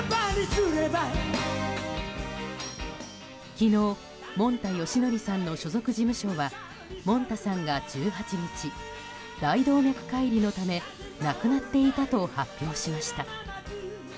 昨日、もんたよしのりさんの所属事務所はもんたさんが１８日大動脈解離のため亡くなっていたと発表しました。